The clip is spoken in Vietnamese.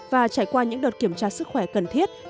và trải qua những đợt kiểm tra sức khỏe cần thiết